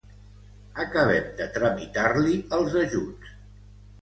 Acabem de tramitar-li els ajuts.